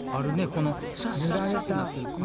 このシャッシャッシャッてなってる感じの。